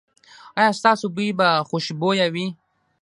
ایا ستاسو بوی به خوشبويه وي؟